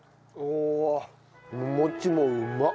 お餅もうまっ。